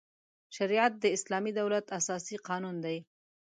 شریعت د اسلامي دولت اساسي قانون دی.